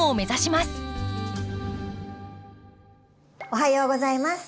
おはようございます。